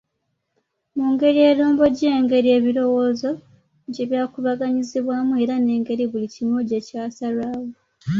Mu ngeri erombojja engeri ebirowoozo gye byakubaganyizibwamu era n’engeri buli kimu gye kyasalwawo.